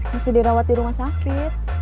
masih dirawat di rumah sakit